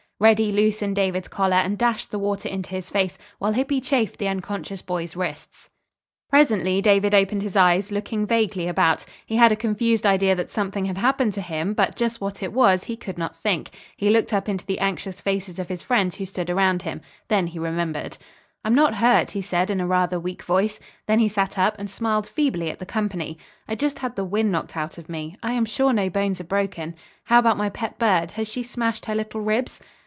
Reddy loosened David's collar and dashed the water into his face; while Hippy chafed the unconscious boy's wrists. Presently David opened his eyes, looking vaguely about. He had a confused idea that something had happened to him, but just what it was he could not think. He looked up into the anxious faces of his friends who stood around him. Then he remembered. "I'm not hurt," he said in a rather weak voice. Then he sat up and smiled feebly at the company. "I just had the wind knocked out of me. I am sure no bones are broken. How about my pet bird? Has she smashed her little ribs?"